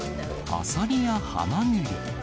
アサリやハマグリ。